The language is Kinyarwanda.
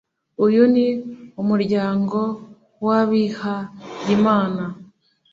uyu ni umuryango w’abihayimana